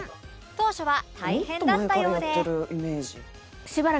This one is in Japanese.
当初は大変だったようで